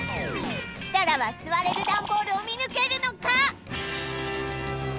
設楽は座れるダンボールを見抜けるのか？